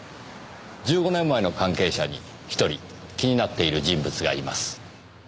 １５年前の関係者に１人気になっている人物がいます。